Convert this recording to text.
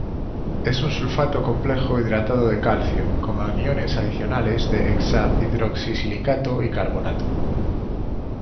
Es un sulfato complejo hidratado de calcio, con aniones adicionales de hexa-hidroxi-silicato y carbonato.